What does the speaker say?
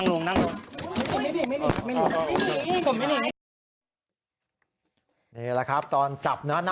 โหคุณผู้ชมพฤติกรรมของในบอนคนนี้เนี้ย